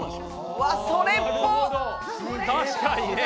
確かにね。